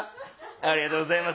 ありがとうございます。